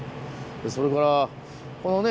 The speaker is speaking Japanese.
それからこのね